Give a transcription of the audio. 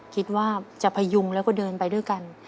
คิดว่าจะพยุงแล้วก็เดินไปด้วยกัน